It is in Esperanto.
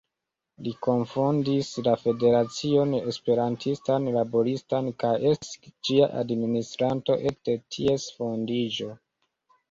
Li kunfondis la Federacion Esperantistan Laboristan kaj estis ĝia administranto ekde ties fondiĝo.